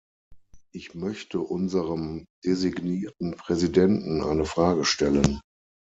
Ich möchte unserem designierten Präsidenten eine Frage stellen.